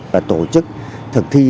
và tổ chức thực thi